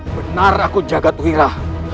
benar aku jagadwira